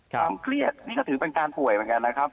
ความเครียดนี่ก็ถือเป็นการป่วยเหมือนกันนะครับ